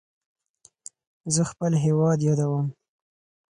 زه خپل هیواد یادوم.